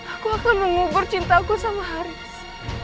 aku akan mengubur cintaku sama haris